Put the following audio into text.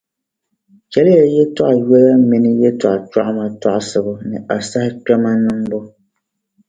chaliya yɛltɔɣa yoya minii yɛltɔɣa chɔɣima tɔɣisibu ni asahi kpɛma niŋbu.